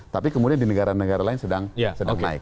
tapi kemudian di negara negara lain sedang naik